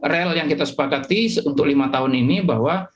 rel yang kita sepakati untuk lima tahun ini bahwa